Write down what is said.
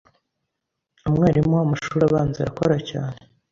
umwalimu wamashuri abanza arakora cyane